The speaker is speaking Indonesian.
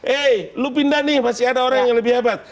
eh lu pindah nih masih ada orang yang lebih hebat